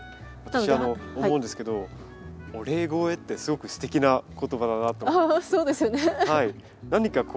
私思うんですけどお礼肥ってすごくすてきな言葉だなと思うんです。